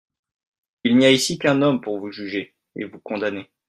Il n'y a ici qu'un homme pour vous juger et vous condamner.